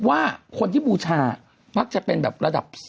ว่าคนที่บูชามักจะเป็นแบบระดับ๒